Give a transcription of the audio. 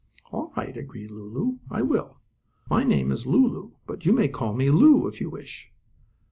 "All right," agreed Lulu. "I will. My name is Lulu, but you may call me Lu, if you wish."